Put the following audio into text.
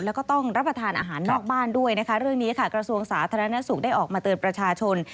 แล้วก็ต้องรับประทานอาหารนอกบ้านด้วยนะคะเรื่องนี้ค่ะกระทรวงสาธารณสุขได้ออกมาเตือนประชาชน